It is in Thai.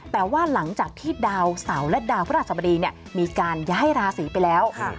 แต่ว่าหลังจากที่ดาวเสาและดาวพระราชสบดีมีการย้ายราศีไปแล้ว